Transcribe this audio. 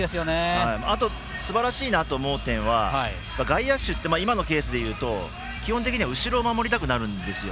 あと、すばらしいなと思う点は外野手って今のケースで言うと基本的には後ろを守りたくなるんですよ。